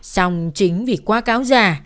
xong chính vì qua cáo giả